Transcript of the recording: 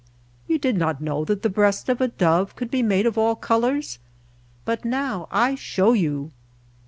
You did not know that the breast of a dove could be made of all colors, but now I show you.